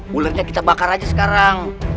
bulernya kita bakar aja sekarang